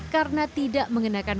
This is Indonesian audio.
karena tidak mengenakan sepeda motor